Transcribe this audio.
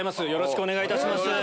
よろしくお願いします。